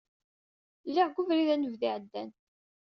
Lliɣ deg ubrid anebdu iɛeddan.